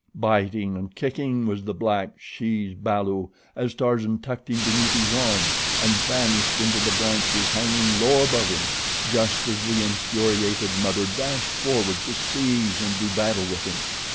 Biting and kicking was the black she's balu as Tarzan tucked him beneath his arm and vanished into the branches hanging low above him, just as the infuriated mother dashed forward to seize and do battle with him.